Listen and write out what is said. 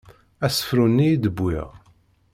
Asefru-nni i d-wwiɣ.